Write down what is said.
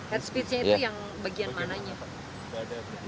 head speech nya itu yang bagian mananya pak